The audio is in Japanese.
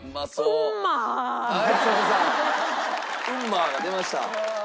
「ウンマ」が出ました。